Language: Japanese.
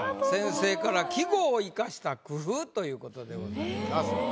先生から「季語を生かした工夫！」ということでございます。